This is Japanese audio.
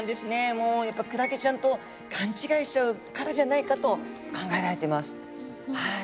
もうやっぱクラゲちゃんと勘違いしちゃうからじゃないかと考えられてます。